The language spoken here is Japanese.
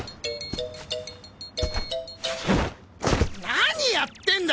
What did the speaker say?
何やってんだ！